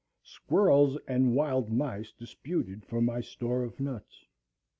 Squirrels and wild mice disputed for my store of nuts.